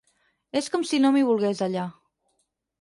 És com si no m'hi volgués, allà.